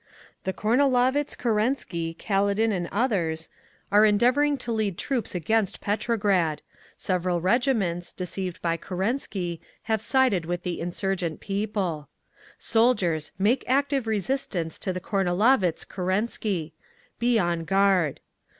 The Kornilovitz Kerensky, Kaledin and others, are endeavouring to lead troops against Petrograd. Several regiments, deceived by Kerensky, have sided with the insurgent People. Soldiers! Make active resistance to the Kornilovitz Kerensky! Be on guard!